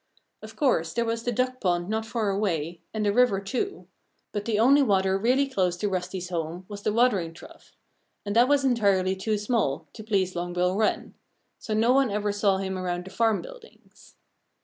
Of course, there was the duck pond not far away and the river, too. But the only water really close to Rusty's home was the watering trough. And that was entirely too small to please Long Bill Wren. So no one ever saw him around the farm buildings.